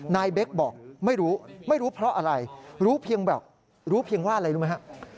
เบคบอกไม่รู้ไม่รู้เพราะอะไรรู้เพียงแบบรู้เพียงว่าอะไรรู้ไหมฮะ